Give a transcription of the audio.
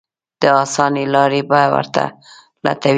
د اسانۍ لارې به ورته لټوي.